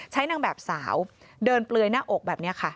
นางแบบสาวเดินเปลือยหน้าอกแบบนี้ค่ะ